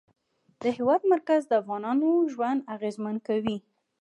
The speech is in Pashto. د هېواد مرکز د افغانانو ژوند اغېزمن کوي.